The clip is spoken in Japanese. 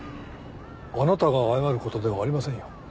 あなたが謝ることではありませんよ。